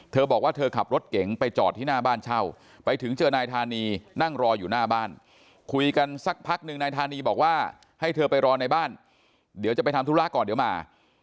เธอบอกว่าเธอขับรถเก๋งไปจอดที่หน้าบ้านเช่าไปถึงเจอนายธานีนั่งรออยู่หน้าบ้านคุยกันสักพักหนึ่งนายธานีบอกว่าให้เธอไปรอในบ้านเดี๋ยวจะไปทำธุระก่อนเดี๋ยวมา